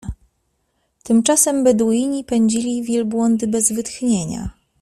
Tymczasem Beduini pędzili wielbłądy bez wytchnienia.